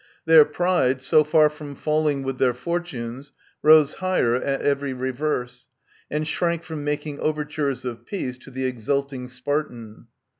Their pride, so far from " falling with their fortunes," rose higher at every reverse, and shrank from making overtures of peace to the exulting Spartan.